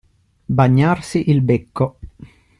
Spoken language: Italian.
Bagnarsi il becco.